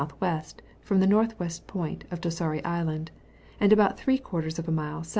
W. from the N.W. point of Torsari Island, and about three quarters of a mile S.S.